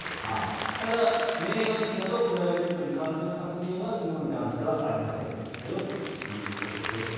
ただ、メーガン妃などプライベートに関する発言は昨日に関してはありませんでしたよということです。